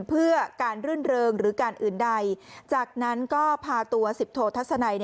เพื่อการรื่นเริงหรือการอื่นใดจากนั้นก็พาตัวสิบโททัศนัย